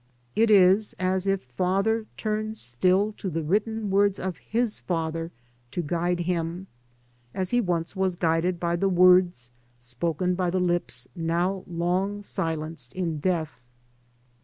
It is as if father turns still to the written words of his father to guide him, as he once was guided by the words spoken by the lips now long silenced in death.